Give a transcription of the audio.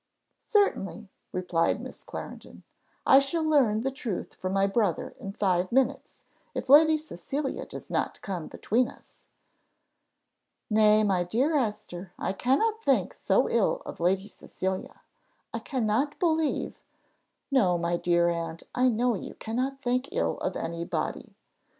"Certainly," replied Miss Clarendon; "I shall learn the truth from my brother in five minutes, if Lady Cecilia does not come between us." "Nay, my dear Esther, I cannot think so ill of Lady Cecilia; I cannot believe " "No, my dear aunt, I know you cannot think ill of any body.